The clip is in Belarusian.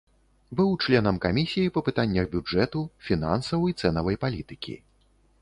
Быў членам камісіі па пытаннях бюджэту, фінансаў і цэнавай палітыкі.